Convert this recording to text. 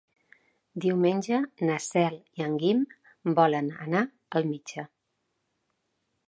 Diumenge na Cel i en Guim volen anar al metge.